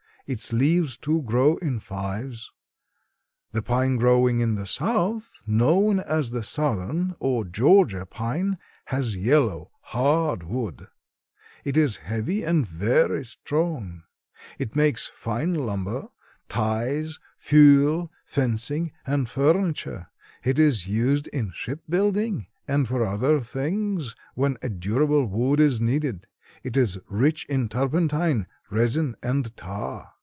Its leaves, too, grow in fives. "The pine growing in the South, known as the Southern or Georgia pine, has yellow, hard wood. It is heavy and very strong. It makes fine lumber, ties, fuel, fencing and furniture. It is used in shipbuilding and for other things when a durable wood is needed. It is rich in turpentine, resin and tar.